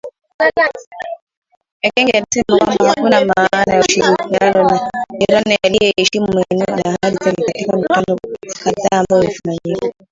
Ekenge alisema kwamba hakuna maana ya ushirikiano na jirani aiyeheshimu maneno na ahadi zake katika mikutano kadhaa ambayo imefanyika